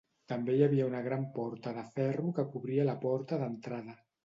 També hi havia una gran porta de ferro que cobria la porta d'entrada.